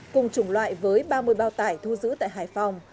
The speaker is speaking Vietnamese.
cùng chủng loại với ba mươi bao tải thu giữ tại hải phòng